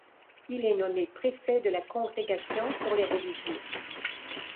Il est nommé préfet de la Congrégation pour les religieux.